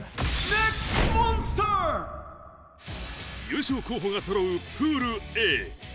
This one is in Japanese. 優勝候補がそろうプールＡ。